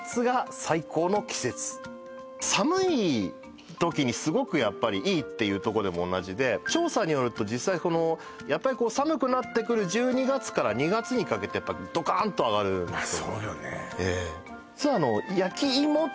寒い時にすごくやっぱりいいっていうとこでも同じで調査によると実際このやっぱり寒くなってくる１２月から２月にかけてドカンっと上がるんですよね